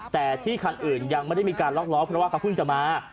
แต่ที่คันอื่นยังไม่ได้มีการล็อกล้อเพราะว่าเขาเพิ่งจะมา